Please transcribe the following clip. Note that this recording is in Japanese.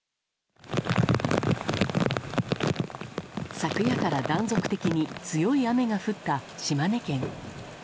昨夜から断続的に強い雨が降った島根県。